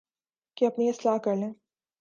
کہ اپنی اصلاح کر لیں